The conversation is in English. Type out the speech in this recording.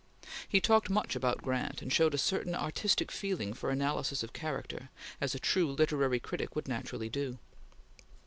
He talked much about Grant, and showed a certain artistic feeling for analysis of character, as a true literary critic would naturally do.